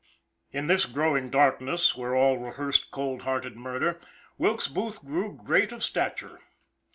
In this growing darkness, where all rehearsed cold hearted murder, Wilkes Booth grew great of stature.